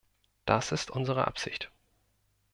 Das ist unsere Absicht.